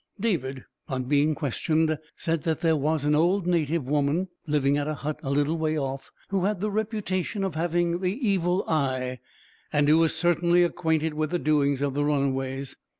David, on being questioned, said that there was an old native woman, living at a hut a little way off, who had the reputation of having the evil eye, and who was certainly acquainted with the doings of the runaways.